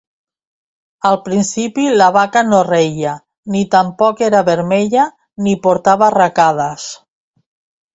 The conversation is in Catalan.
Al principi la vaca no reia ni tampoc era vermella ni portava arracades.